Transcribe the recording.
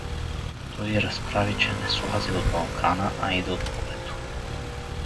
Той й разправи, че не слазя от Балкана, а иде от полето.